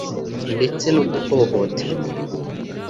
ndetse no guhohoterwa